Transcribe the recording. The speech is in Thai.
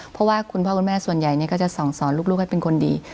เพราะว่าคุณพ่อคุณแม่ส่วนใหญ่ก็จะส่องสอนลูกให้เป็นคนดี